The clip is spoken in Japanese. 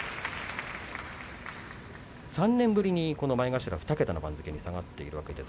３年ぶり前頭２桁の番付に下がっています。